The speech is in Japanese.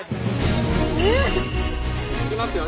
いきますよ